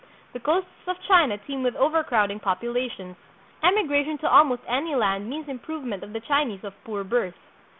The coasts of China teem with overcrowding populations. Emigration to almost any land means improvement of the Chinese of poor birth.